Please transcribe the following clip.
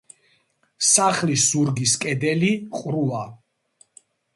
სახლის ზურგის კედელი ყრუა.